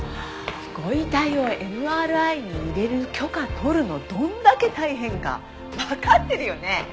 ご遺体をＭＲＩに入れる許可取るのどんだけ大変かわかってるよね？